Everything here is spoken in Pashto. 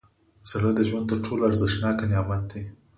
زړه د ژوند تر ټولو ارزښتناک نعمت دی.